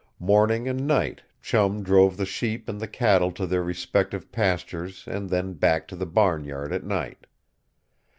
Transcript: Morning and night, Chum drove the sheep and the cattle to their respective pastures and then back to the barnyard at night.